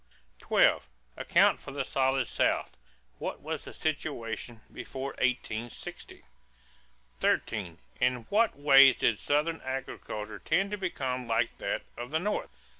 12. Account for the Solid South. What was the situation before 1860? 13. In what ways did Southern agriculture tend to become like that of the North?